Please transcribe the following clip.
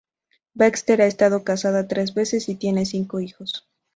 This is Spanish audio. Baxter ha estado casada tres veces y tiene cinco hijos.